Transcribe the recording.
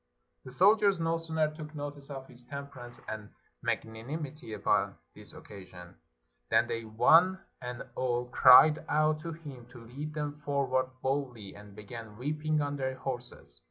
The sol diers no sooner took notice of his temperance and mag nanimity upon this occasion, than they one and all cried out to him to lead them forward boldly, and began whipping on their horses.